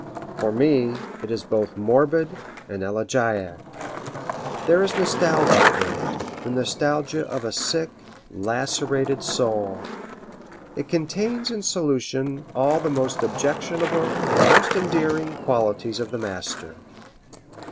For me it is both morbid and elegiac. There is nostalgia in it, the nostalgia of a sick, lacerated soul. It contains in solution all the most objectionable and most endearing qualities of the master.